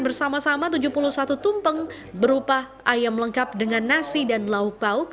bersama sama tujuh puluh satu tumpeng berupa ayam lengkap dengan nasi dan lauk pauk